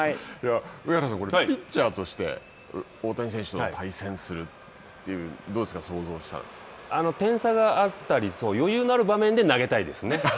上原さん、これ、ピッチャーとして、大谷選手と対戦という、ど点差があったり、余裕のある場面で投げたいですね。